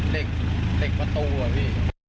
เด็กประตูอะพี่